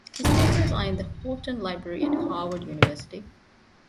His papers are in the Houghton Library at Harvard University.